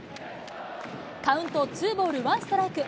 カウント、ツーボールワンストライク。